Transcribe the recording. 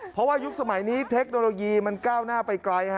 เพราะว่ายุคสมัยนี้เทคโนโลยีมันก้าวหน้าไปไกล